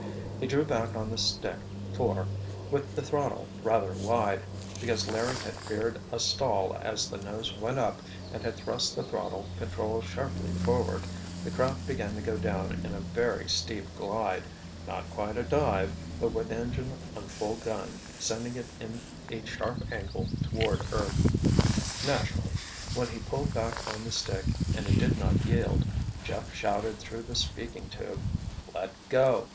He drew back on the stick for, with the throttle rather wide—because Larry had feared a stall as the nose went up and had thrust the throttle control sharply forward—the craft began to go down in a very steep glide, not quite a dive, but with engine on full gun, sending it in a sharp angle toward earth. Naturally, when he pulled back on the stick and it did not yield, Jeff shouted through the speaking tube, "Let go!"